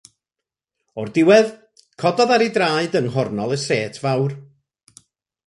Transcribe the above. O'r diwedd, cododd ar ei draed yng nghornel y set fawr.